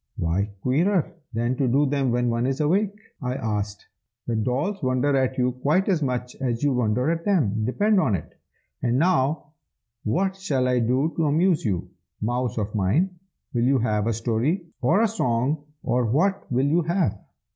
"Why queerer than to do them when one is awake?" I asked. "The dolls wonder at you quite as much as you wonder at them, depend upon it! And now, what shall I do to amuse you, mouse of mine? will you have a story, or a song, or what will you have?"